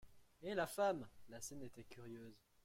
Et la femme ! La scène était curieuse.